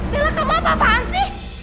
bella kamu apa apaan sih